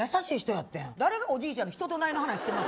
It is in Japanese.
誰がおじいちゃんの人となりの話しているん。